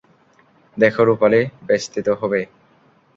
দেখো রূপালি, বেচতে তো হবে।